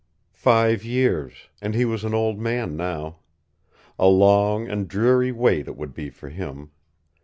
Five years, and he was an old man now. A long and dreary wait it would be for him.